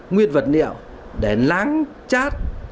nguyên vật niệm để lắng chát